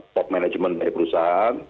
top management dari perusahaan